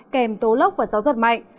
kèm tố lốc và gió giật mạnh